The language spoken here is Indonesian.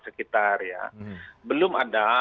sekitar ya belum ada